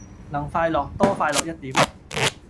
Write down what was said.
能快樂，多快樂一點。